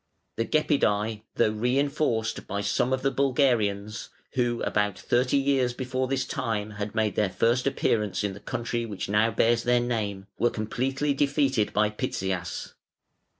The Gepidaæ, though reinforced by some of the Bulgarians (who about thirty years before this time had made their first appearance in the country which now bears their name), were completely defeated by Pitzias.